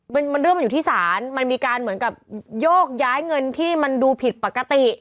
มันเรื่องมันอยู่ที่ศาลมันมีการเหมือนกับโยกย้ายเงินที่มันดูผิดปกติ